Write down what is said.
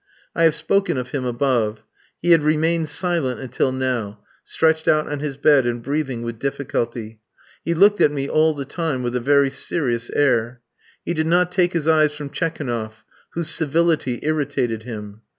I have spoken of him above. He had remained silent until now, stretched out on his bed, and breathing with difficulty. He looked at me all the time with a very serious air. He did not take his eyes from Tchekounoff, whose civility irritated him.